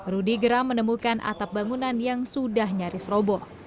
rudy geram menemukan atap bangunan yang sudah nyaris roboh